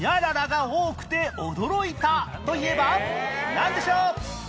なんでしょう？